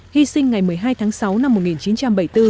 hy sinh ngày một mươi hai tháng sáu năm một nghìn chín trăm bảy mươi bốn